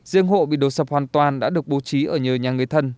riêng hộ bị đổ sập hoàn toàn đã được bố trí ở nhờ nhà người thân